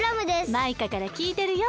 マイカからきいてるよ。